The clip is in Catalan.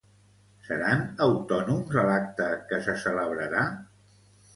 Seran autònoms a l'acte que se celebrarà?